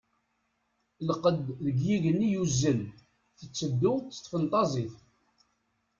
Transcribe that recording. Lqedd deg yigenni yuzzel, tetteddu s tfenṭazit.